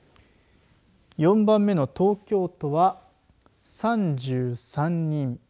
４番目の東京都は３３人。